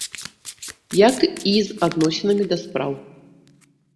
Як і з адносінамі да спраў.